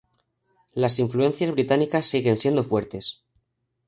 Las influencias británicas siguen siendo fuertes.